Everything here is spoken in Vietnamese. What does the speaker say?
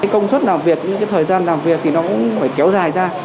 công suất làm việc những thời gian làm việc thì nó cũng phải kéo dài ra